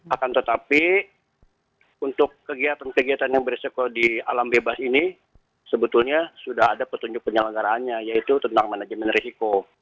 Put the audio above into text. akan tetapi untuk kegiatan kegiatan yang beresiko di alam bebas ini sebetulnya sudah ada petunjuk penyelenggaraannya yaitu tentang manajemen risiko